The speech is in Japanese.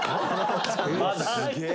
すげえ。